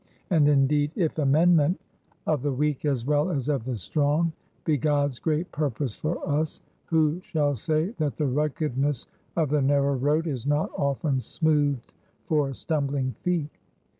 (And indeed, if amendment, of the weak as well as of the strong, be GOD'S great purpose for us, who shall say that the ruggedness of the narrow road is not often smoothed for stumbling feet?)